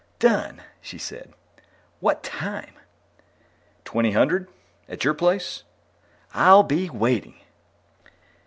"Done!" she said. "What time?" "Twenty hundred? At your place?" "I'll be waiting."